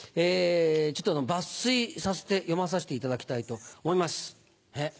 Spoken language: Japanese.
ちょっと抜粋させて読まさせていただきたいと思います。